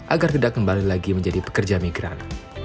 agar tidak kembali lagi menjadi pekerja migran